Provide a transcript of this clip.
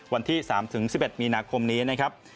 วันที่๓๑๑มีนาคมนี้นะครับ